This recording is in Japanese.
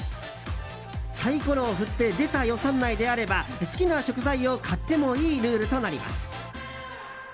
サイコロを振って出た予算内であれば好きな食材を買ってもいいルールとなります。